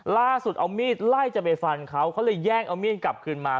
ล่าสุดเอามีดไล่จะไปฟันเขาเขาเลยแย่งเอามีดกลับคืนมา